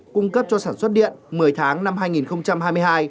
cung cấp cho sản xuất điện một mươi tháng năm hai nghìn hai mươi hai